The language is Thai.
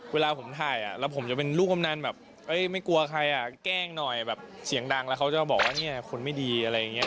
เวลาผมถ่ายแล้วผมจะเป็นลูกกำนันแบบไม่กลัวใครอ่ะแกล้งหน่อยแบบเสียงดังแล้วเขาจะบอกว่าเนี่ยคนไม่ดีอะไรอย่างนี้